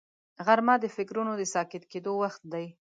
غرمه د فکرونو د ساکت کېدو وخت دی